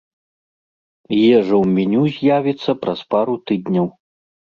Ежа ў меню з'явіцца праз пару тыдняў.